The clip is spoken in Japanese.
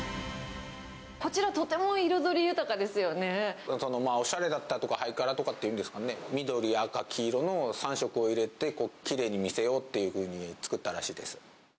こちら、とても彩り豊かですおしゃれだったりとか、ハイカラとかっていうんですかね、緑、赤、黄色の３色を入れて、きれいに見せようっていうふうに作ったらしいです。